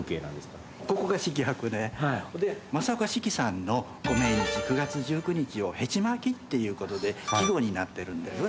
ほんで正岡子規さんのご命日９月１９日を糸瓜忌っていうことで季語になってるんです。